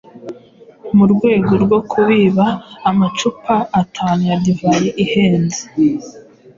mu rwego rwo kubiba amacupa atanu ya divayi ihenze